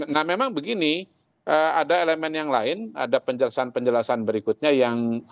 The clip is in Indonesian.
nah memang begini ada elemen yang lain ada penjelasan penjelasan berikutnya yang